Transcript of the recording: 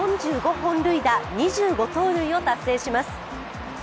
本塁打２５盗塁を達成します。